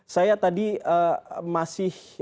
saya tadi masih